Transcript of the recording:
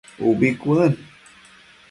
Ubi cuën